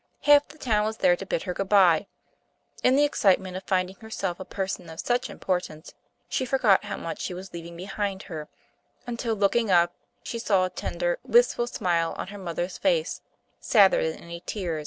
Half the town was there to bid her good by. In the excitement of finding herself a person of such importance she forgot how much she was leaving behind her, until looking up, she saw a tender, wistful smile on her mother's face, sadder than any tears.